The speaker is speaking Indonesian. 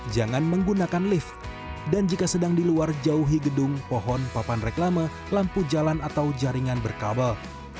jangan menggunakan lift dan jika sedang di luar jauhi gedung pohon papan reklama lampu jalan atau jaringan berkabel